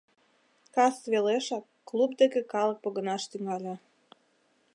Кас велешак клуб деке калык погынаш тӱҥале.